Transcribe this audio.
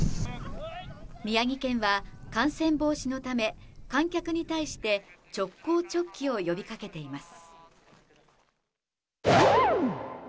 宮城県は、感染防止のため、観客に対して、直行直帰を呼びかけています。